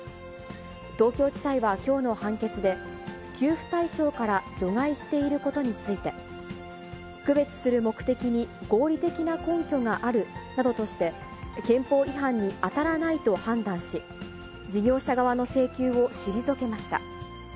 東京地裁はきょうの判決で、給付対象から除外していることについて、区別する目的に、合理的な根拠があるなどとして、憲法違反に当たらないと判断し、事業者側の請求を退けました。